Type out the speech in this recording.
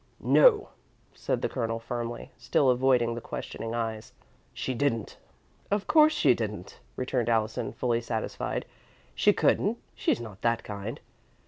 "No" said the Colonel, firmly, still avoiding the questioning eyes. "She didn't!" "Of course she didn't," returned Allison, fully satisfied. "She couldn't she's not that kind.